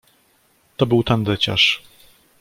"To był tandeciarz."